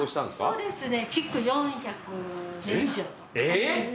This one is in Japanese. そうですね。